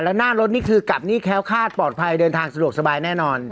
แล้วหน้ารถนี่คือกลับนี่แค้วคาดปลอดภัยเดินทางสะดวกสบายแน่นอน